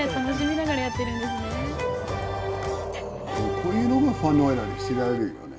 こういうのがファンの間で知られるよね